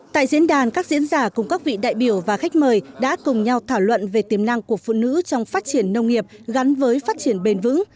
tại diễn đàn các diễn giả cùng các vị đại biểu và khách mời đã cùng nhau thảo luận về tiềm năng của phụ nữ trong phát triển nông nghiệp gắn với phát triển bền vững